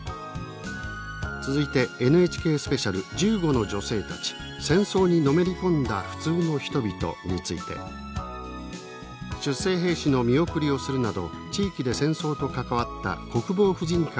続いてＮＨＫスペシャル「銃後の女性たち戦争にのめり込んだ“普通の人々”」について「出征兵士の見送りをするなど地域で戦争と関わった国防婦人会に焦点を当てていた。